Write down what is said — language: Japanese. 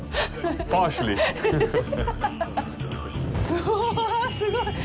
うぉ、すごい。